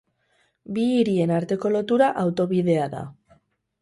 Bi hirien arteko lotura autobidea da.